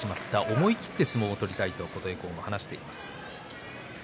思い切り相撲を取りたいと琴恵光は話しています。